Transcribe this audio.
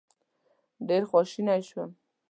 ډېر خواشینی شوم.